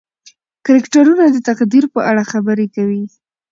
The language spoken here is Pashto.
کرکټرونه د تقدیر په اړه خبرې کوي.